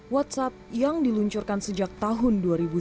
whatsapp yang diluncurkan sejak tahun dua ribu sembilan belas